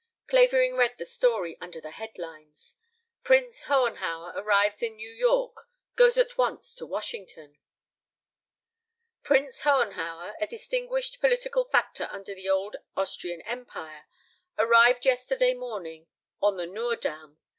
Clavering read the story under the headlines: PRINCE HOHENHAUER ARRIVES IN NEW YORK GOES AT ONCE TO WASHINGTON "Prince Hohenhauer, a distinguished political factor under the old Austrian Empire, arrived yesterday morning on the Noordam.